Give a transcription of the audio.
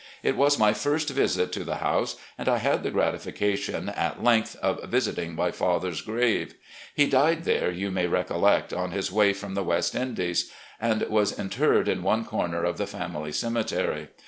It was my first visit to the house, and I had the gratification at length of visiting my father's grave. He died there, you may recollect, on his way from the West Indies, and was interred in one comer of the family cemetery.